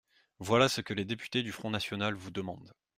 Voilà ce que les députés du Front national vous demandent.